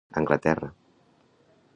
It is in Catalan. Anglaterra.